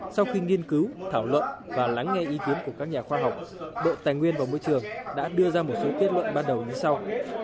sau khi nghiên cứu thảo luận và lắng nghe ý kiến của các nhà khoa học bộ tài nguyên và môi trường đã đưa ra một số kết luận ban đầu như sau